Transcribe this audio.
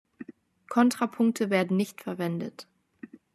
Kontrapunkte werden nicht verwendet.